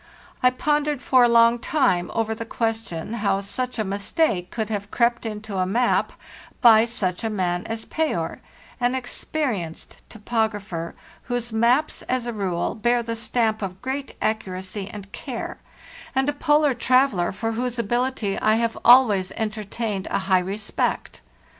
I pondered for a long time over the question how such a mistake could have crept into a map by such a man as Payer—an experienced topographer, whose maps, as a rule, bear the stamp of great accuracy and care, and a polar traveller for THE JOURNEY SOUTHWARD 549 whose ability I have always entertained a high respect.